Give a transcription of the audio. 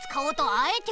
あえて！